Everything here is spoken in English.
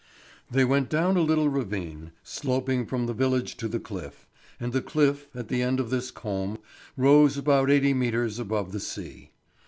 They went down a little ravine, sloping from the village to the cliff, and the cliff, at the end of this comb, rose about eighty metres above the sea.